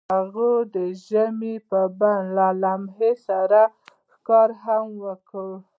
هغوی د ژمنې په بڼه لمحه سره ښکاره هم کړه.